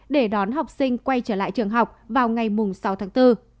để đón học sinh quay trở lại trường học vào ngày sáu tháng bốn